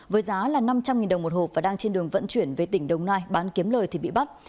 với giá là năm trăm linh đồng một hộp và đang trên đường vận chuyển về tỉnh đồng nai bán kiếm lời thì bị bắt